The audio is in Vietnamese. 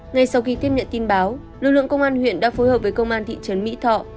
ngay sau khi tiếp nhận tin báo lực lượng công an huyện đã phối hợp với công an thị trấn mỹ thọ